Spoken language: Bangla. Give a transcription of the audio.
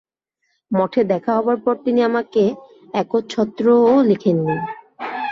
মঠে দেখা হবার পর তিনি আমাকে একছত্রও লেখেননি।